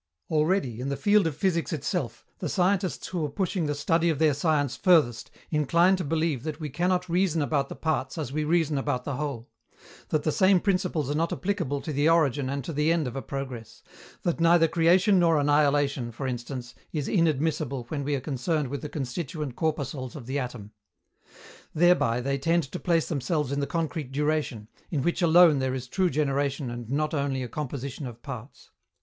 Already, in the field of physics itself, the scientists who are pushing the study of their science furthest incline to believe that we cannot reason about the parts as we reason about the whole; that the same principles are not applicable to the origin and to the end of a progress; that neither creation nor annihilation, for instance, is inadmissible when we are concerned with the constituent corpuscles of the atom. Thereby they tend to place themselves in the concrete duration, in which alone there is true generation and not only a composition of parts.